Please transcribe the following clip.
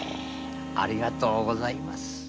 ありがとうございます。